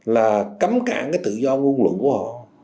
là cấm cản cái tự do nguồn luận của họ